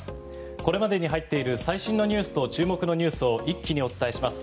これまでに入っている最新ニュースと注目ニュースを一気にお伝えします。